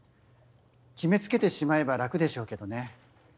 決め付けてしまえば楽でしょうけどね